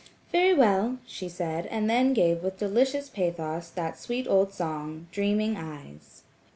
"Very well," she said, and then gave with delicious pathos that sweet old song, "Dreaming Eyes."